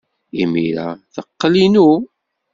Imir-a, teqqel inu.